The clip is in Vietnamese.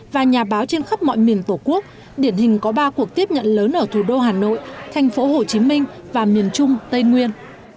và nhà báo trên khắp mọi miền tổ quốc điển hình có ba cuộc tiếp nhận lớn ở thủ đô hà nội thành phố hồ chí minh và miền trung tây nguyên